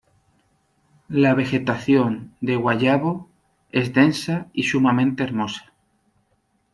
La vegetación de Guayabo es densa y sumamente hermosa.